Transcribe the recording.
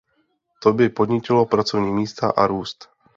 To by podnítilo pracovní místa a růst.